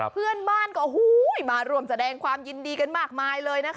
เพื่อนบ้านก็มาร่วมแสดงความยินดีกันมากมายเลย